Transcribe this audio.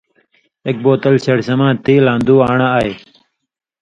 ایک بوتل شڑشماں تیل آں دو آن٘ڑہ آئ۔